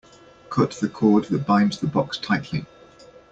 Cut the cord that binds the box tightly.